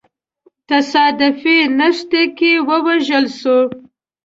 تصادفي نښته کي ووژل سو.